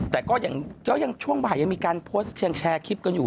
แต่ก็ยังช่วงบ่ายยังมีการแชร์คลิปกันอยู่